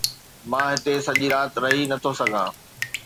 مان هتي سڄي رات رهي نه ٿو سگهان